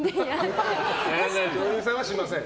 女優さんはしません。